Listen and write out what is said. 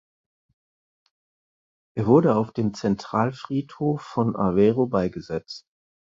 Er wurde auf dem Zentralfriedhof von Aveiro beigesetzt.